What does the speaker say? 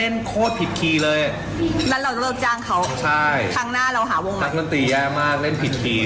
นักหนักรีแย่มากเล่นผิดคี